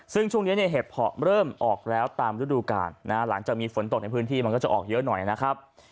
ซึ่งช่วงนี้เนี่ยเห็บเพาะเริ่มออกแล้วตามฤดูกาลหลังจากมีฝนตกในพื้นที่มันก็จะออกเยอะหน่อยนะครับ